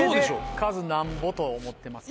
カズなんぼと思ってますか？